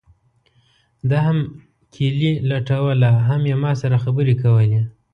ده هم کیلي لټوله هم یې ما سره خبرې کولې.